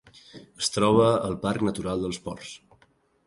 Es troba al Parc Natural dels Ports.